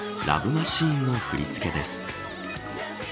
マシーンの振り付けです。